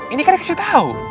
ini kan dikasih tahu